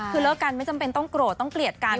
คือเลิกกันไม่จำเป็นต้องโกรธต้องเกลียดกัน